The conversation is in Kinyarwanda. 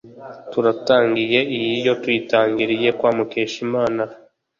turatangiye iyi yo tuyitangiriye kwa mukeshimana